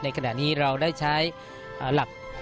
ขณะนี้เราได้ใช้หลัก